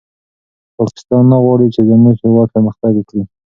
پاکستان نه غواړي چې زموږ هېواد پرمختګ وکړي.